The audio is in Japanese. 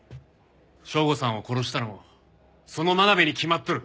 省吾さんを殺したのもその真鍋に決まっとる。